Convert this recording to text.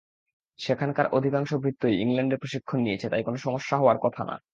সেখানকার অধিকাংশ ভৃত্যই ইংল্যান্ডে প্রশিক্ষণ নিয়েছে, তাই কোনো সমস্যা হওয়ার কথা না।